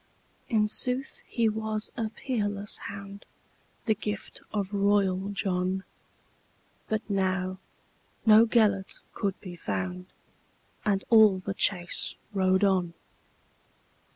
In sooth he was a peerless hound, The gift of royal John; But now no Gêlert could be found, And all the chase rode on.